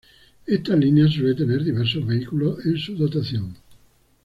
Esta línea suele tener diversos vehículos en su dotación.